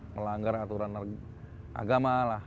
melanggar aturan agama lah